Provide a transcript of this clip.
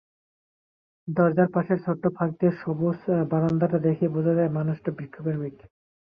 দরজার পাশের ছোট্ট ফাঁক দিয়ে সবুজ বারান্দাটা দেখেই বোঝা যায় মানুষটা বৃক্ষপ্রেমিক।